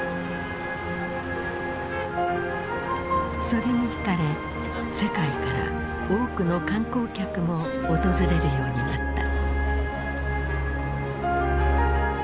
それに惹かれ世界から多くの観光客も訪れるようになった。